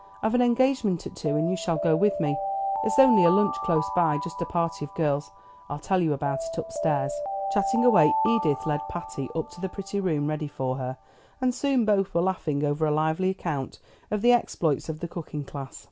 I've an engagement at two, and you shall go with me. It's only a lunch close by, just a party of girls; I'll tell you about it upstairs." Chatting away, Edith led Patty up to the pretty room ready for her, and soon both were laughing over a lively account of the exploits of the cooking class.